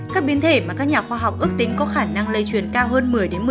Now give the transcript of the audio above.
các biến thể mà các nhà khoa học ước tính có khả năng lây truyền cao hơn một mươi một mươi